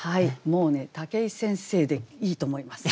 もうね武井先生でいいと思います。